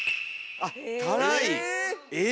あったらい！え！